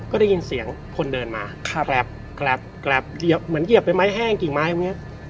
ก็ได้ยินเสียงคนเดินมาแกร็บเหมือนเหยียบไปไม้แห้งกี่ไม้